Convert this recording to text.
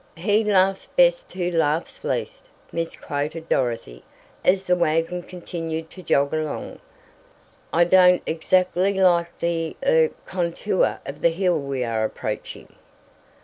"He laughs best who laughs least," misquoted Dorothy, as the wagon continued to jog along. "I don't exactly like the er contour of the hill we are approaching."